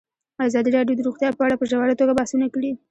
ازادي راډیو د روغتیا په اړه په ژوره توګه بحثونه کړي.